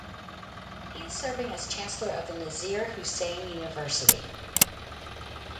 He is serving as Chancellor of the Nazeer Hussain University.